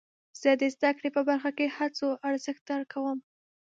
زه د زده کړې په برخه کې د هڅو ارزښت درک کوم.